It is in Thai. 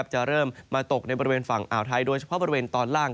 จะเริ่มมาตกในบริเวณฝั่งอ่าวไทยโดยเฉพาะบริเวณตอนล่าง